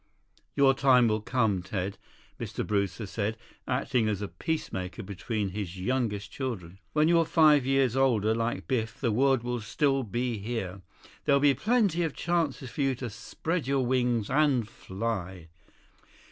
"Your time will come, Ted," Mr. Brewster said, acting as a peacemaker between his youngest children. "When you're five years older, like Biff, the world will still be here. There'll be plenty of chances for you to spread your wings and fly."